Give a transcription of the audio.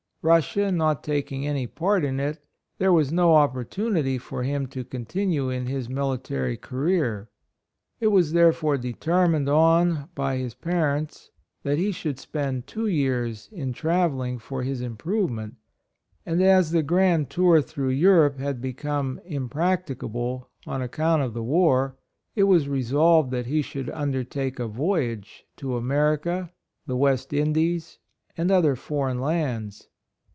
Russia not taking any part in it, there was no opportunity for him to continue in his military career. It was there fore determined on by his parents, that he should spend two years in travelling for his improvement, and as the grand tour through Europe TRAVELS, CONVERSION. 35 had become impracticable, on ac count of the war, it was resolved that he should undertake a voyage to America, the West Indies, and other foreign lands.